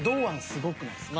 すごくないですか？